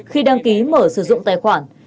khi đăng ký mở sử dụng tài khoản